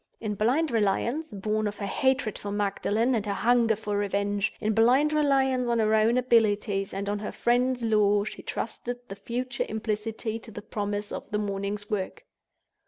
In blind reliance—born of her hatred for Magdalen and her hunger for revenge—in blind reliance on her own abilities and on her friend's law, she trusted the future implicitly to the promise of the morning's work.